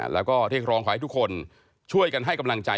แล้วก็เรียกร้องขอให้ทุกคนช่วยกันให้กำลังใจ